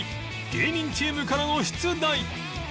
芸人チームからの出題